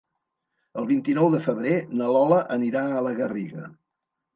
El vint-i-nou de febrer na Lola anirà a la Garriga.